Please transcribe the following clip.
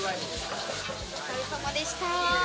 お疲れ様でした。